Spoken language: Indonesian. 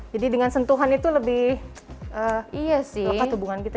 jadi dengan sentuhan itu lebih lekat hubungan kita